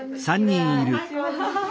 ・はいこんにちは。